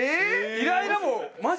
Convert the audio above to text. イライラ棒マジ？